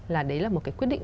là đấy là một cái quyết định